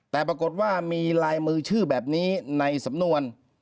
แต่ปรากฏว่ามีลายมือชื่อแบบนี้ในสำนวน